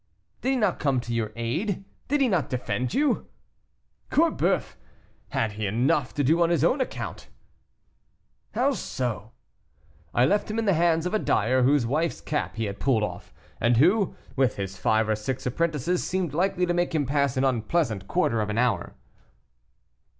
"Did he not come to your aid? did he not defend you?" "Corboeuf! he had enough to do on his own account." "How so?" "I left him in the hands of a dyer whose wife's cap he had pulled off, and who, with his five or six apprentices, seemed likely to make him pass an unpleasant quarter of an hour."